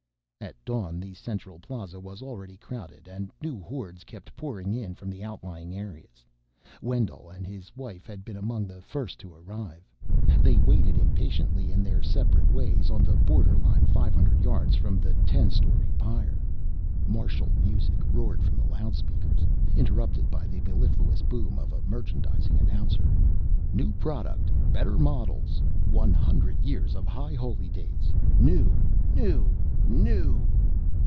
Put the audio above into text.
At dawn the Central Plaza was already crowded and new hordes kept pouring in from outlying areas. Wendell and his wife had been among the first to arrive. They waited, impatient in their separate ways, on the borderline five hundred yards from the ten story pyre. Martial music roared from loudspeakers, interrupted by the mellifluous boom of a merchandising announcer: "New product! Better models! One hundred years of High Holy Days! New! New! NEW!"